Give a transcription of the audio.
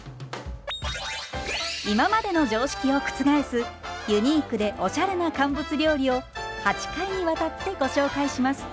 今までの常識を覆すユニークでおしゃれな乾物料理を８回にわたってご紹介します。